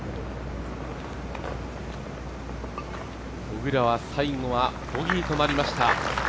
小倉は最後はボギーとなりました。